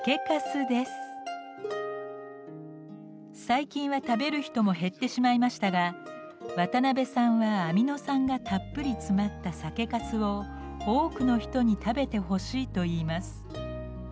最近は食べる人も減ってしまいましたが渡辺さんはアミノ酸がたっぷり詰まった酒かすを多くの人に食べてほしいといいます。